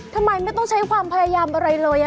ทำไมไม่ต้องใช้ความพยายามอะไรเลย